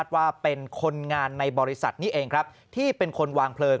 ว่าเป็นคนงานในบริษัทนี้เองครับที่เป็นคนวางเพลิง